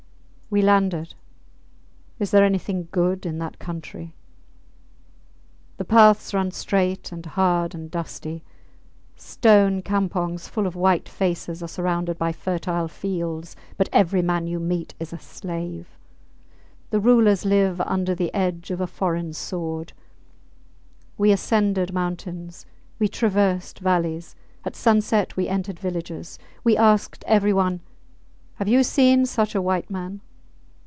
We landed. Is there anything good in that country? The paths run straight and hard and dusty. Stone campongs, full of white faces, are surrounded by fertile fields, but every man you meet is a slave. The rulers live under the edge of a foreign sword. We ascended mountains, we traversed valleys; at sunset we entered villages. We asked everyone, Have you seen such a white man?